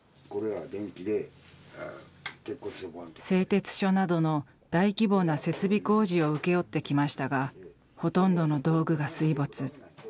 製鉄所などの大規模な設備工事を請け負ってきましたがほとんどの道具が水没。